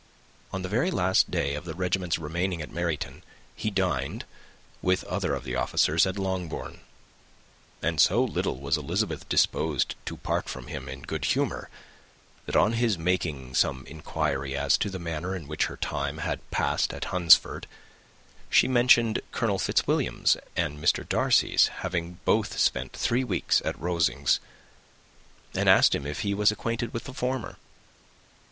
On the very last day of the regiment's remaining in Meryton, he dined, with others of the officers, at Longbourn; and so little was Elizabeth disposed to part from him in good humour, that, on his making some inquiry as to the manner in which her time had passed at Hunsford, she mentioned Colonel Fitzwilliam's and Mr. Darcy's having both spent three weeks at Rosings, and asked him if he were acquainted with the former.